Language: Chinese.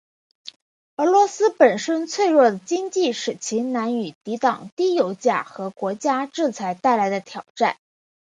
俄罗斯本身脆弱的经济使其难以抵御低油价和国际制裁带来的挑战。